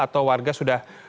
atau warga sudah